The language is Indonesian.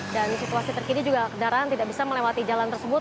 dan di situasi terkini juga kendaraan tidak bisa melewati jalan tersebut